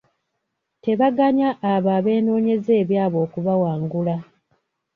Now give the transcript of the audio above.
Tebaganya abo abeenoonyeza ebyabwe okubawugula.